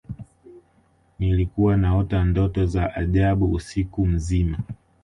nilikuwa naota ndoto za ajabu usiku mzima